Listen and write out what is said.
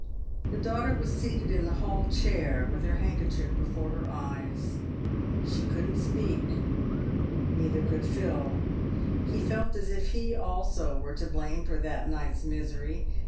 The daughter was seated in the hall chair with her handkerchief before her eyes. She couldn't speak, neither could Phil. He felt as if he, also, were to blame for that night's misery.